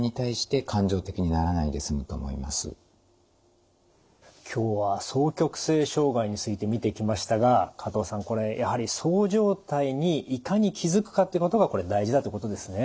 そうすれば今日は双極性障害について見てきましたが加藤さんこれやはりそう状態にいかに気付くかってことがこれ大事だってことですね。